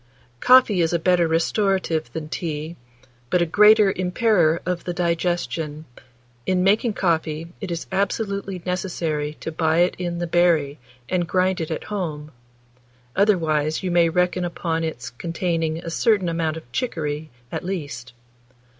Coffee is a better restorative than tea, but a greater impairer of the digestion. In making coffee, it is absolutely necessary to buy it in the berry, and grind it at home; otherwise, you may reckon upon its containing a certain amount of chicory, at least.